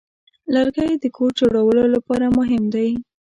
لرګی د کور جوړولو لپاره مهم دی.